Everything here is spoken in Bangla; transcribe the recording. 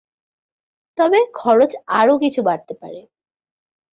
তবে খরচ আরও কিছু বাড়তে পারে।